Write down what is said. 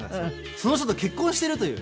その人と結婚しているという。